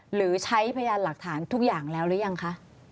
หรือใช้พยานหลักฐานทุกอย่างแล้วหรือยังคะ